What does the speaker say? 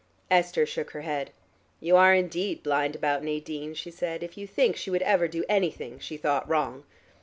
Esther shook her head. "You are indeed blind about Nadine," she said, "if you think she would ever do anything she thought wrong."